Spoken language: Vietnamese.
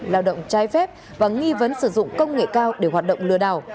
lao động trái phép và nghi vấn sử dụng công nghệ cao để hoạt động lừa đảo